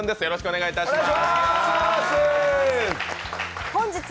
よろしくお願いします。